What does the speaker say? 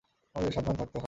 আমাদের সাবধান থাকতে হবে।